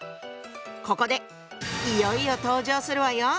ここでいよいよ登場するわよ。